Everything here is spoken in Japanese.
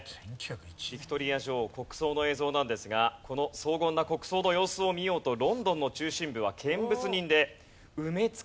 ヴィクトリア女王国葬の映像なんですがこの荘厳な国葬の様子を見ようとロンドンの中心部は見物人で埋め尽くされたといわれています。